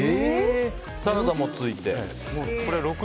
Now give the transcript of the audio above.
サラダもついて。